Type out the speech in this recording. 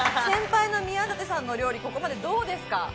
先輩の宮舘さんの料理、ここまでどうですか？